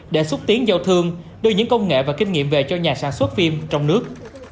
để xúc tiến giao thương đưa những công nghệ và kinh nghiệm về cho nhà sản xuất phim trong nước